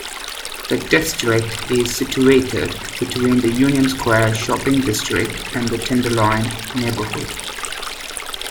The district is situated between the Union Square shopping district and the Tenderloin neighborhood.